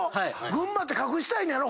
群馬って隠したいんやろ？